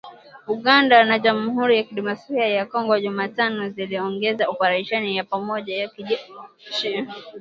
Uganda na Jamhuri ya Kidemokrasi ya Kongo Jumatano ziliongeza operesheni ya pamoja ya kijeshi